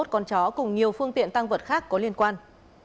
năm mươi một con chó cùng nhiều phương tiện tăng vật khác có liên quan